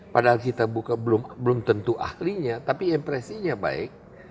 padahal kita buka belum tentu ahlinya tapi impresinya baik